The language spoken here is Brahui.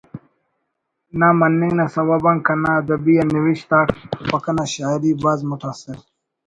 نہ مننگ نا سوب آن کنا ادبی آ نوشت آک و کنا شاعری بھاز متاثر